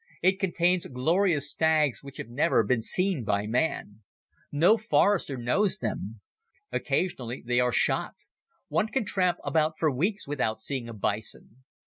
It contains glorious stags which have never been seen by man. No forester knows them. Occasionally they are shot. One can tramp about for weeks without seeing a bison.